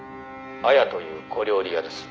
「“あや”という小料理屋です」